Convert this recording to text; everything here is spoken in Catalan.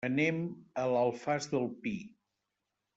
Anem a l'Alfàs del Pi.